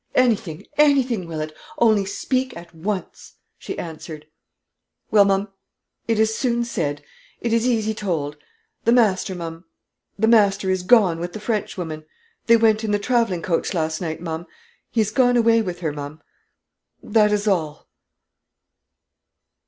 "Anything, anything, Willett; only speak at once," she answered. "Well, ma'am, it is soon said it is easy told. The master, ma'am the master is gone with the Frenchwoman; they went in the traveling coach last night, ma'am; he is gone away with her, ma'am; that is all."